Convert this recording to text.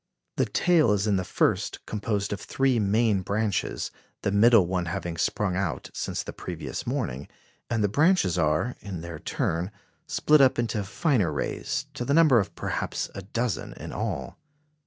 The tail is in the first composed of three main branches, the middle one having sprung out since the previous morning, and the branches are, in their turn, split up into finer rays, to the number of perhaps a dozen in all.